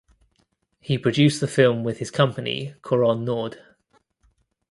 He produced the film with his company Couronne Nord.